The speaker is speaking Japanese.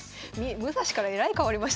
武蔵からえらい変わりましたね。